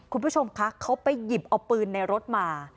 คุณผู้ชมคะเขาไปหยิบเอาปืนในรถมา